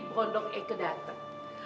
bondok eke dateng